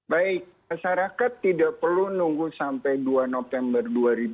baik masyarakat tidak perlu nunggu sampai dua november dua ribu dua puluh